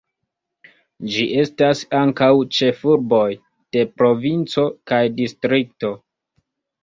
Ĝi estas ankaŭ ĉefurboj de provinco kaj distrikto.